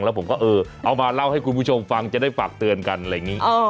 แล้วผมก็เออเอามาเล่าให้คุณผู้ชมฟังจะได้ฝากเตือนกันอะไรอย่างนี้